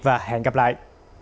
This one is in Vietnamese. và hẹn gặp lại